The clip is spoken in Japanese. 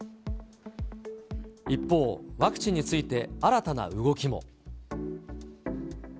一方、ワクチンについて新たな動きも。